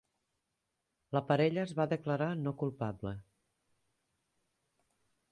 La parella es va declarar no culpable.